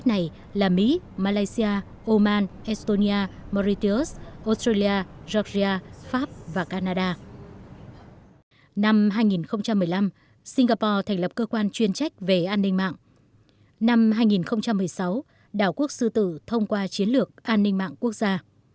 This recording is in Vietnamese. năm hai nghìn một mươi sáu đảo quốc sư tử thông qua chiến lược an ninh mạng quốc gia